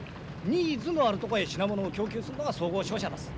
ニーズのあるとこへ品物を供給するのが総合商社だす。